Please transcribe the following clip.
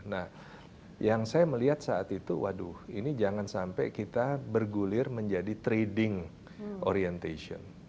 nah yang saya melihat saat itu waduh ini jangan sampai kita bergulir menjadi trading orientation